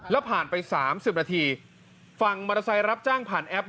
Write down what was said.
แล้วผ่านไป๓๐นาทีฝั่งมอเตอร์ไซค์รับจ้างผ่านแอป